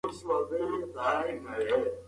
انا وویل چې دا امتحان زما لپاره سخته ده.